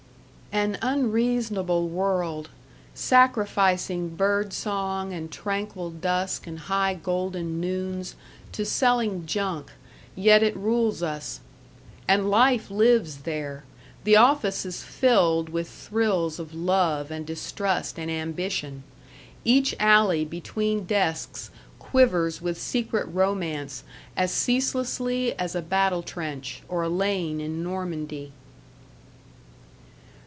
An unreasonable world, sacrificing bird song and tranquil dusk and high golden noons to selling junk yet it rules us. And life lives there. The office is filled with thrills of love and distrust and ambition. Each alley between desks quivers with secret romance as ceaselessly as a battle trench, or a lane in Normandy.